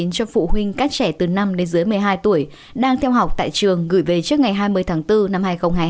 cho phụ huynh các trẻ từ năm đến dưới một mươi hai tuổi đang theo học tại trường gửi về trước ngày hai mươi tháng bốn năm hai nghìn hai mươi hai